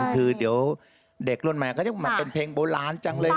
คือเด็กร่วมใหม่ก็จะมันเป็นเพลงโบราณจังเลย